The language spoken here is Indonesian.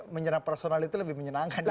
menyerang personal itu lebih menyenangkan